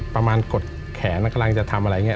ประมาณกดแขนกำลังจะทำอะไรแบบนี้